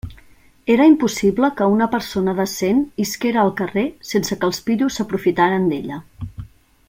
Era impossible que una persona decent isquera al carrer sense que els pillos s'aprofitaren d'ella.